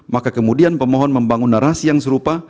maka kemudian pemohon membangun narasi yang serupa